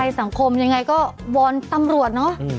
สังคมยังไงก็วอนตำรวจเนอะ